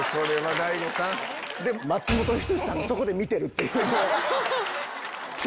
で松本人志さんがそこで見てるっていう。